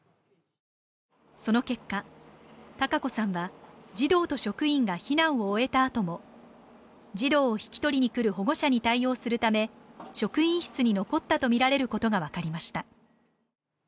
その結果、タカ子さんは児童と職員が避難を終えたあとも児童を引き取りに来る保護者に対応するため職員室に残ったとみられることが分かりました。